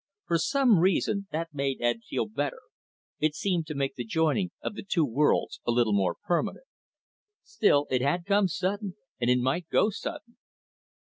For some reason, that made Ed feel better, it seemed to make the joining of the two worlds a little more permanent. Still, it had come sudden, and it might go sudden.